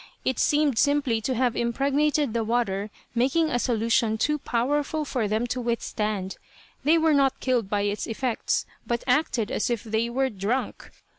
It seemed simply to have impregnated the water, making a solution too powerful for them to withstand. They were not killed by its effects, but acted as if they were drunk.